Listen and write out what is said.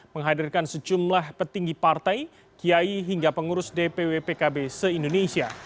menghadirkan sejumlah petinggi partai kiai hingga pengurus dpw pkb se indonesia